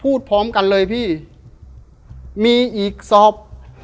พร้อมกันเลยพี่มีอีกศพ